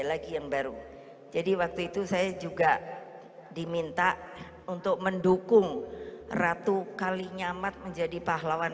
lagi yang baru jadi waktu itu saya juga diminta untuk mendukung ratu kalinyamat menjadi pahlawan